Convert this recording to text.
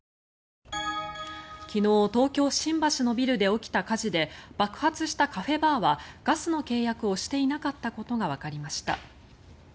昨日、東京・新橋のビルで起きた火事で爆発したカフェバーはガスの契約をしていなかったことがわかりました。